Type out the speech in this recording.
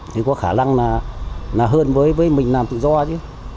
thì có khả năng là hơn với mình làm tự do chứ